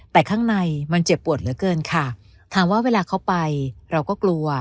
แต่ข้างในมันเจ็บปวดเหลือเกินค่ะถามว่าเวลาเขาไปเราก็กลัว